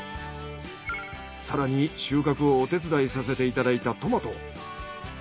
更に収穫をお手伝いさせていただいたトマト。